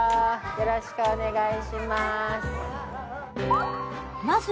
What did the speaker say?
よろしくお願いします